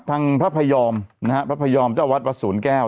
ทางพระพยอมนะฮะพระพยอมเจ้าวัดวัดศูนย์แก้ว